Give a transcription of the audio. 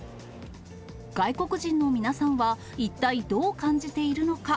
外国人の皆さんは、一体どう感じているのか。